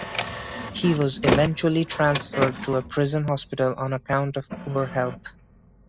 He was eventually transferred to a prison hospital on account of poor health.